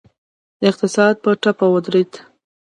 اقتصاد په ټپه ودرید.